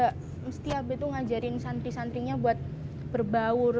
nggak mesti abah itu ngajarin santri santrinya buat berbaur